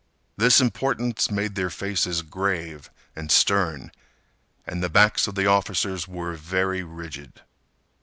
This importance made their faces grave and stern. And the backs of the officers were very rigid.